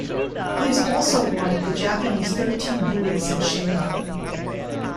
He is also one of the Japanese Thirteen Buddhas in Shingon.